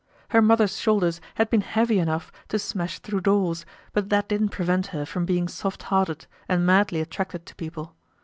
Her mother's shoulders had been heavy enough to smash through doors, but that didn't prevent her from being soft hearted and madly attracted to people.